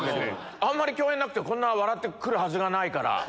あんまり共演なくてこんな笑って来るはずがないから。